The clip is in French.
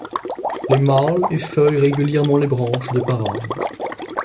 Les mâles effeuillent régulièrement les branches de parade.